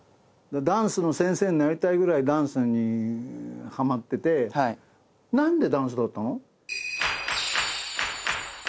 ダンスの先生になりたいぐらいダンスにはまってて何でダンスだったの？